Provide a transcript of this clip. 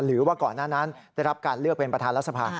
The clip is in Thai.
หรือว่าก่อนหน้านั้นได้รับการเลือกเป็นประธานรัฐสภา